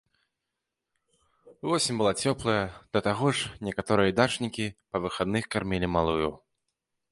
Восень была цёплая, да таго ж некаторыя дачнікі па выхадных кармілі малую.